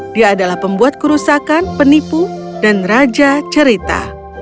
dia adalah pembuat kerusakan penipu dan raja cerita